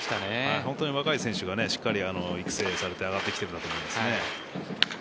本当に若い選手がしっかり育成されて上がってきているなと思います。